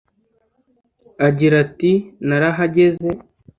Agira ati “Narahageze